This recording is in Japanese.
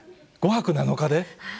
５泊７日で？